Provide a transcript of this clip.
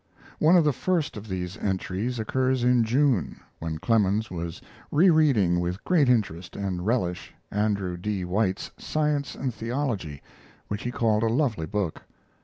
One of the first of these entries occurs in June, when Clemens was rereading with great interest and relish Andrew D. White's Science and Theology, which he called a lovely book.